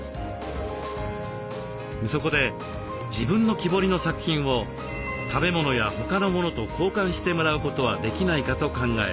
そこで自分の木彫りの作品を食べ物や他の物と交換してもらうことはできないかと考え